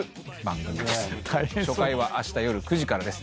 初回はあした夜９時からです。